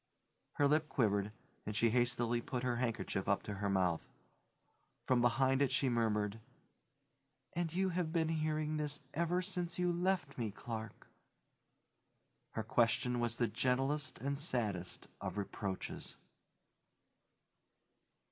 Her lip quivered and she hastily put her handkerchief up to her mouth. From behind it she murmured, "And you have been hearing this ever since you left me, Clark?" Her question was the gentlest and saddest of reproaches.